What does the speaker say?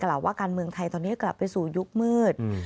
ว่าการเมืองไทยตอนนี้กลับไปสู่ยุคมืด